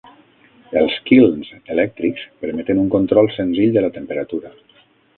Els kilns elèctrics permeten un control senzill de la temperatura.